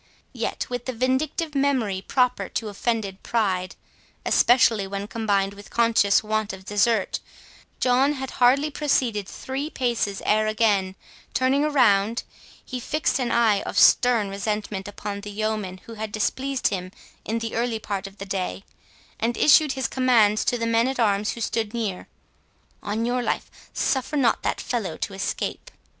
Yet, with the vindictive memory proper to offended pride, especially when combined with conscious want of desert, John had hardly proceeded three paces, ere again, turning around, he fixed an eye of stern resentment upon the yeoman who had displeased him in the early part of the day, and issued his commands to the men at arms who stood near—"On your life, suffer not that fellow to escape."